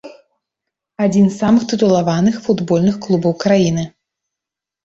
Адзін з самых тытулаваных футбольных клубаў краіны.